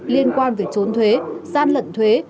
liên quan về chốn thuế gian lận thuế